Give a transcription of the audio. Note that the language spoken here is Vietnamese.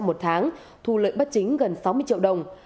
hai một tháng thu lợi bắt chính gần sáu mươi triệu đồng